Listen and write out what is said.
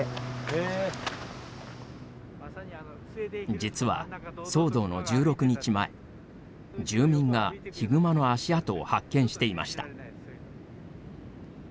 実は騒動の１６日前住民がヒグマの足跡を発見していました。